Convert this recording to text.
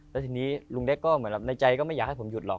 แล้วทีนี้ลุงเล็กก็ในใจก็ไม่อยากให้ผมหยุดหรอก